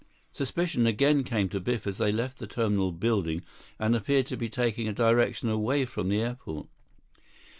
Suspicion again came to Biff as they left the terminal building and appeared to be taking a direction away from the airport.